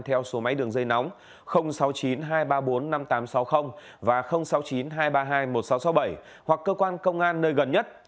theo số máy đường dây nóng sáu mươi chín hai trăm ba mươi bốn năm nghìn tám trăm sáu mươi và sáu mươi chín hai trăm ba mươi hai một nghìn sáu trăm sáu mươi bảy hoặc cơ quan công an nơi gần nhất